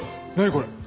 これ。